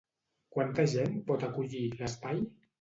Quanta gent pot acollir, l'espai?